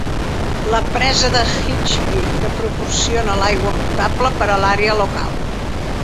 La presa de Higby, que proporciona l'aigua potable per a l'àrea local.